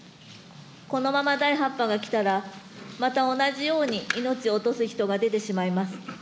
このまま第８波が来たら、また同じように命を落とす人が出てしまいます。